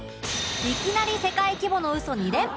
いきなり世界規模のウソ２連発